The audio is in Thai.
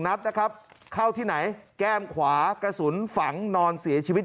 นัดนะครับเข้าที่ไหนแก้มขวากระสุนฝังนอนเสียชีวิต